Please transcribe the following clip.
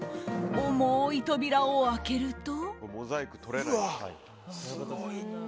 重い扉を開けると。